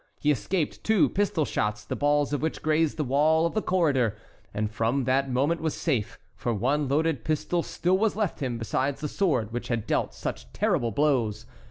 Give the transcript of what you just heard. He escaped two pistol shots, the balls of which grazed the wall of the corridor, and from that moment was safe, for one loaded pistol still was left him, besides the sword which had dealt such terrible blows.